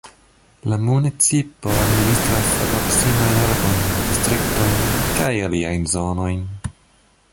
La municipo administras la proksimajn urbojn, distriktojn kaj aliajn zonojn.